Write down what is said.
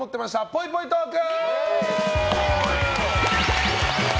ぽいぽいトーク！